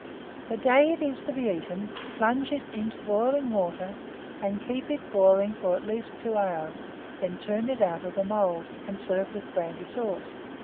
The day it is to be eaten, plunge it into boiling water, and keep it boiling for at least 2 hours; then turn it out of the mould, and serve with brandy sauce.